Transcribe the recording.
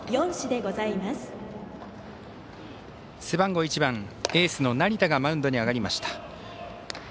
背番号１番、エースの成田がマウンドに上がりました。